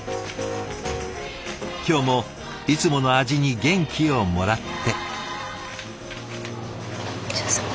今日もいつもの味に元気をもらって。